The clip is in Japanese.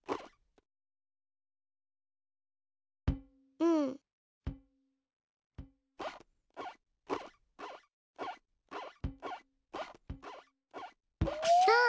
うん。あっ！